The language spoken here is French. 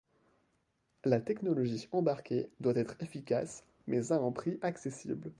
La technologie embarquée doit être efficace, mais à un prix accessible.